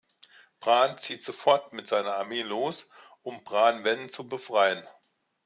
Bran zieht sofort mit seiner Armee los, um Branwen zu befreien.